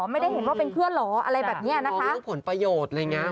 ไม่ได้เห็นว่าเป็นเพื่อนเหรออะไรแบบเนี้ยนะคะมีความรู้สึกผลประโยชน์เลยไง